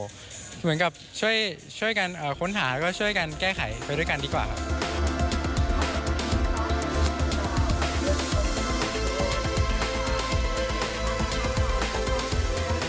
เหมือนกับช่วยกันค้นหาก็ช่วยกันแก้ไขไปด้วยกันดีกว่าครับ